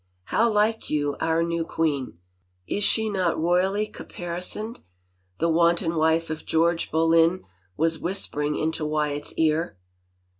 " How like you our new queen ? Is she not royally caparisoned?" the wanton wife of George Boleyn was whispering into Wyatt's ear.